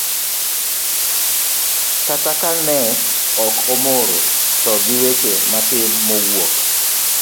kata ka ne ok omoro; to gi weche matin mowuok.